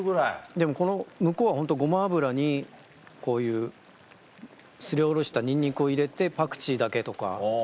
でも向こうはホントごま油にこういうすりおろしたニンニクを入れてパクチーだけとか。